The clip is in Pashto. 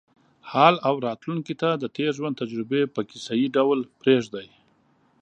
حال او راتلونکې ته د تېر ژوند تجربې په کیسه یې ډول پرېږدي.